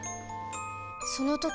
その時